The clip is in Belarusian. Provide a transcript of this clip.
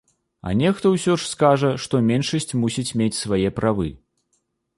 А нехта ўсё ж скажа, што меншасць мусіць мець свае правы.